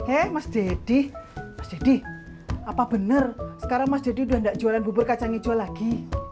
eh mas dedy mas dedy apa benar sekarang mas deddy udah gak jualan bubur kacang hijau lagi